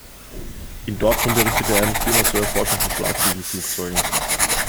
In Dortmund errichtete er eine Firma zur Erforschung von Schlagflügel-Flugzeugen.